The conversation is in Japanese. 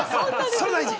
それ大事。